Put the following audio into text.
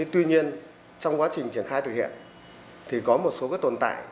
tuy nhiên trong quá trình triển khai thực hiện thì có một số tồn tại